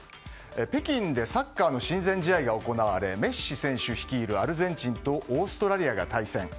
北京でサッカーの親善試合が行われメッシ選手率いるアルゼンチンとオーストラリアが対戦。